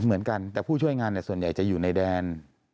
เหมือนกันแต่ผู้ช่วยงานส่วนใหญ่จะอยู่ในแดน